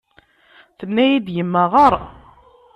Tenna-yi-d yemma ɣeṛ.